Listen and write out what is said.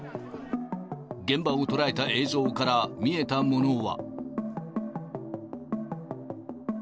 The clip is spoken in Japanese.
現場を捉えた映像から見えたものは。